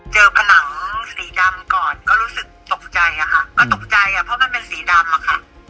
ผนังสีดำก่อนก็รู้สึกตกใจอะค่ะก็ตกใจอ่ะเพราะมันเป็นสีดำอะค่ะ